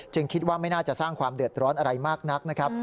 คิดว่าไม่น่าจะสร้างความเดือดร้อนอะไรมากนักนะครับ